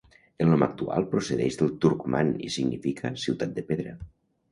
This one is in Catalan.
El nom actual procedeix del turcman i significa 'ciutat de pedra'.